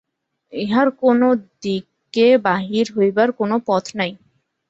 ইহার কোনো দিকে বাহির হইবার কোনো পথ নাই।